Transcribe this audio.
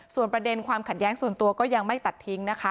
ส่วนประเด็นความขัดแย้งส่วนตัวก็ยังไม่ตัดทิ้งนะคะ